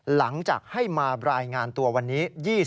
หลังจากให้มารายงานตัววันนี้